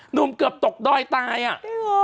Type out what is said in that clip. หนุ่มเกือบตกดอยตายอ่ะอืม